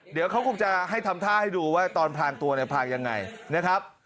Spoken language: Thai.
เดี๋ยวเขาคงจะให้ทำท่าให้ดูว่าตอนพลางตัวเนี่ยพลางยังไงนะครับ